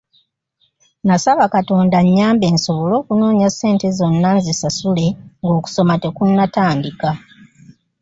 Nasaba Katonda annyambe nsobole okunoonya ssente zonna nzisasule ng’okusoma tekunnatandika.